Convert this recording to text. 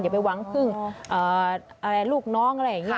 ไปหวังพึ่งลูกน้องอะไรอย่างนี้